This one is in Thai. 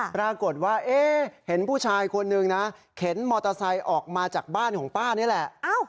ปรากฏว่าเห็นผู้ชายคนนึงนะเข็นมอเตอร์ไซค์ออกมาจากบ้านของป้านี่แหละ